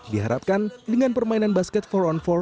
diharapkan dengan permainan basket empat on empat